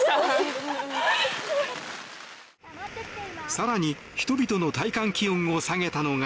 更に人々の体感気温を下げたのが。